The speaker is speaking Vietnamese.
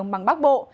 đồng bằng bắc bộ